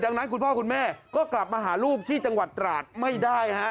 ดังนั้นคุณพ่อคุณแม่ก็กลับมาหาลูกที่จังหวัดตราดไม่ได้ฮะ